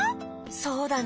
そうだね。